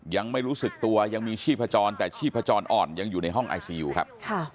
ยังไม่รู้สึกตัวยังมีชีพจรแต่ชีพจรอ่อนยังอยู่ในห้องไอซียูครับ